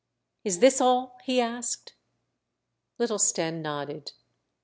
Is this all? " he asked. Little Stenne nodded.